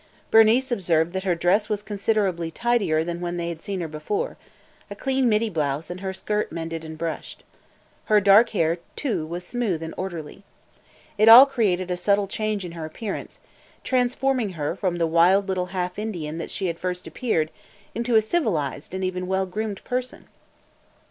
Bernice observed that her dress was considerably tidier than when they had seen her before, – a clean middy blouse and her skirt mended and brushed. Her dark hair too was smooth and orderly. It all created a subtle change in her appearance, transforming her from the wild little half Indian that she had first appeared into a civilized and even well groomed person.